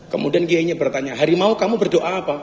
kemudian kiainya bertanya harimau kamu berdoa apa